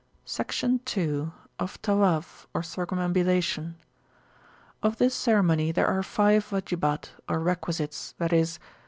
Section II.Of Tawaf, or Circumambulation. Of this ceremony there are five Wajibat, or requisites, viz.